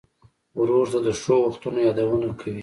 ورور ته د ښو وختونو یادونه کوې.